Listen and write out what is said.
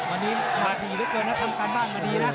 วันนี้มาดีเยอะเกินนะตำบายบ้างก็ดีนะ